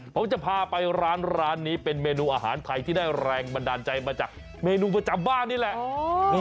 ผมจะพาไปร้านนี้เป็นเมนูอาหารไทยที่ได้แรงบันดาลใจมาจากเมนูประจำบ้านนี่แหละ